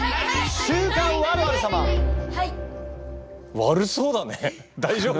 悪そうだね大丈夫？